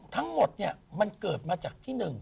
ทั้งหมดเนี่ยมันเกิดมาจากที่หนึ่ง